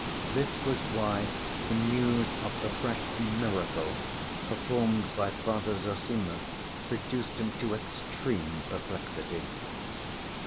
This was why the news of the fresh "miracle" performed by Father Zossima reduced him to extreme perplexity.